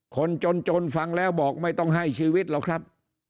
คนจนฟังแล้วบอกไม่ต้องให้ชีวิตหรอกครับ